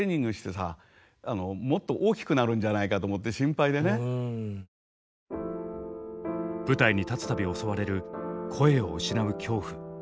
音的にはね舞台に立つ度襲われる声を失う恐怖。